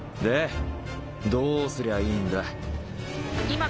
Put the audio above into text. どうすりゃいいんだ。